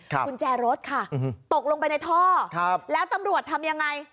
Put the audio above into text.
กุญแจรถค่ะตกลงไปในท่อครับแล้วตำรวจทำยังไง